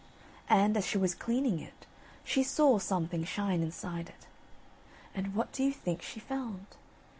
And, as she was cleaning it, she saw something shine inside it, and what do you think she found?